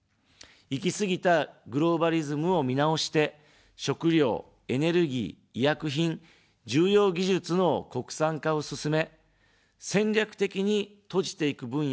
行き過ぎたグローバリズムを見直して、食料、エネルギー、医薬品、重要技術の国産化を進め、戦略的に閉じていく分野を作る。